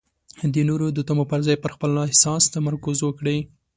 د نورو د تمو پر ځای پر خپل احساس تمرکز وکړئ.